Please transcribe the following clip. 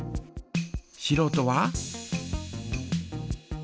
しろうとは？